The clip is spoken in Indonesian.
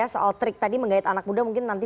soal trik tadi menggait anak muda mungkin nanti